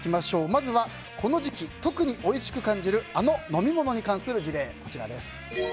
まずはこの時期特においしく感じるあの飲み物に関する事例。